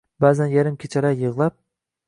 Ba’zan yarim kechalar yig’lab